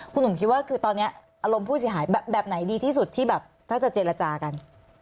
คุณหนุ่มคิดว่าคือตอนนี้อารมณ์ผู้เสียหายแบบไหนดีที่สุดที่แบบถ้าจะเจรจากัน